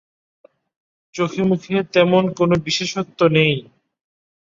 চোখে-মুখে তেমন কোনো বিশেষত্ব নেই।